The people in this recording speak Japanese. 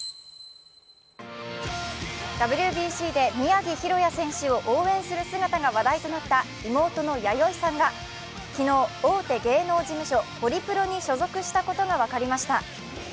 ＷＢＣで宮城大弥選手を応援する姿が話題となった妹の弥生さんが昨日、大手芸能事務所、ホリプロに所属したことが分かりました。